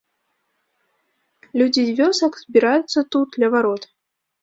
Людзі з вёсак збіраюцца тут, ля варот.